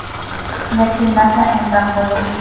Ver Gimnasia en trampolín.